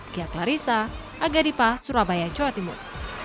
giat larissa agaripa surabaya jawa timur